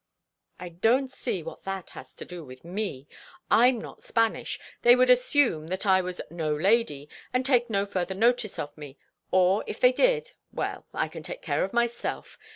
"I don't see what that has to do with me. I'm not Spanish; they would assume that I was 'no lady' and take no further notice of me; or, if they did—well, I can take care of myself.